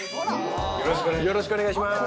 よろしくお願いします。